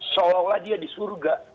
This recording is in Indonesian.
seolah olah dia di surga